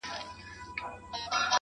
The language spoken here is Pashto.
o غواړم چي ديدن د ښكلو وكړمـــه.